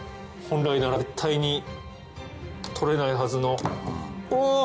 本来なら絶対に取れないはずの。